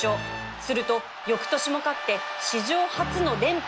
すると翌年も勝って史上初の連覇